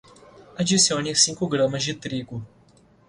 adicione cinco gramas de trigo.